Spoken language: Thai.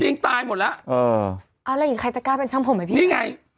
ยิงตายหมดแล้วเออเอาแล้วอย่างใครจะกล้าเป็นช่างผมไหมพี่นี่ไง